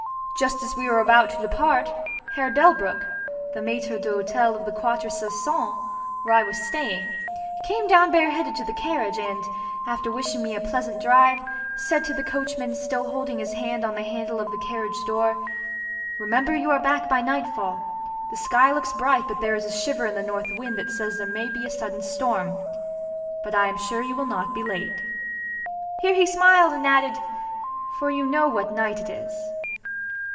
Just as we were about to depart, Herr Delbruck (the maitre d'hotel of the Quatre Saisons, where I was staying) came down bareheaded to the carriage and, after wishing me a pleasant drive, said to the coachman, still holding his hand on the handle of the carriage door, "Remember you are back by nightfall. The sky looks bright but there is a shiver in the north wind that says there may be a sudden storm. But I am sure you will not be late." Here he smiled and added, "for you know what night it is."